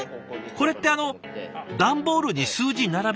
これってあの段ボールに数字並べただけ？